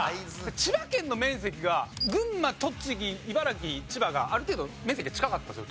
千葉県の面積が群馬栃木茨城千葉がある程度面積が近かったんですよ。